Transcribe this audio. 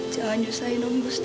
jangan nyusahin non gustaf